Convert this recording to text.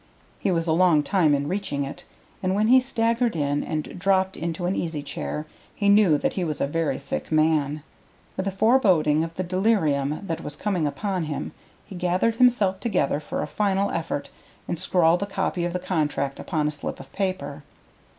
He was a long time in reaching it, and when he staggered in and dropped into an easy chair he knew that he was a very sick man. With a foreboding of the delirium that was coming upon him he gathered himself together for a final effort and scrawled a copy of the contract upon a slip of paper.